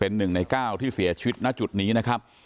เป็นหนึ่งกล้าวที่เสียชีวิตนั้นจุดนี้นะครับ